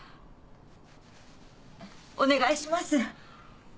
お願いします！